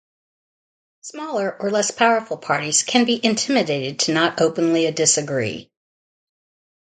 Smaller or less powerful parties can be intimidated to not openly disagree.